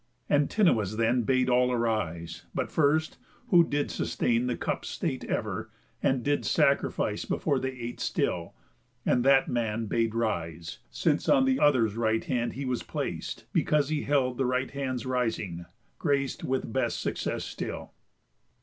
Antinous then Bade all arise; but first, who did sustain The cup's state ever, and did sacrifice Before they ate still, and that man bade rise, Since on the other's right hand he was plac'd, Because he held the right hand's rising, grac'd With best success still.